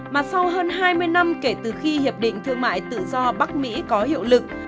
mà sau hơn hai mươi năm kể từ khi hiệp định thương mại tự do bắc mỹ có hiệu lực